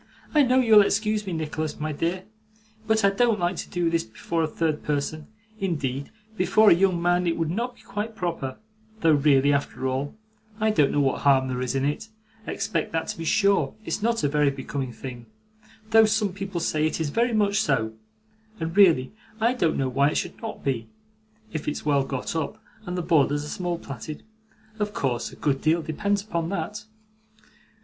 'I know you'll excuse me, Nicholas, my dear, but I don't like to do this before a third person; indeed, before a young man it would not be quite proper, though really, after all, I don't know what harm there is in it, except that to be sure it's not a very becoming thing, though some people say it is very much so, and really I don't know why it should not be, if it's well got up, and the borders are small plaited; of course, a good deal depends upon that.